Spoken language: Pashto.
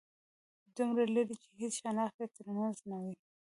دومره لرې چې هيڅ شناخت يې تر منځ نه وای